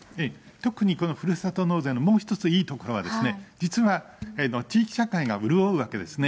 特にこのふるさと納税のもう一ついいところは、実は、地域社会が潤うわけですね。